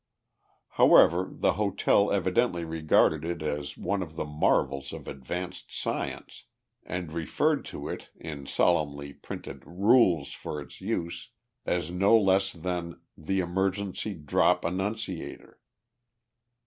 However, the hotel evidently regarded it as one of the marvels of advanced science and referred to it, in solemnly printed "rules" for its use, as no less than "The Emergency Drop Annunciator!"